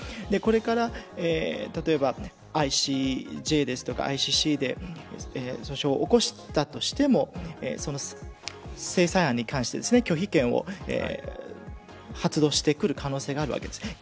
これから例えばＩＣＪとか、ＩＣＣで訴訟を起こしたとしても制裁案に関して、拒否権を発動してくる可能性があるわけです。